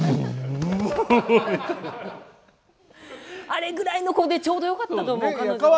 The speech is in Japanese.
あれぐらいの子でちょうどよかったと思う彼女は。